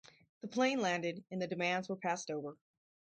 The plane landed and the demands were passed over.